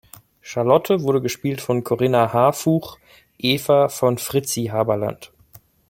Charlotte wurde gespielt von Corinna Harfouch, Eva von Fritzi Haberlandt.